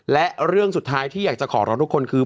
และเรื่องสุดท้ายที่อยากจะขอร้องทุกคนคือ